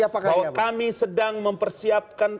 bahwa kami sedang mempersiapkan